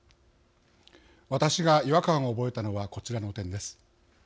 私が違和感を覚えたのはこちらの点です。